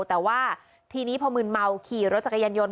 แต่ว่าทีนี้พอมืนเมาขี่รถจักรยานยนต